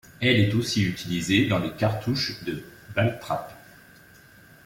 Elle est aussi utilisée dans les cartouches de ball-trap.